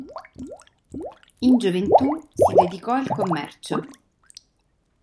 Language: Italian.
In gioventù si dedicò al commercio.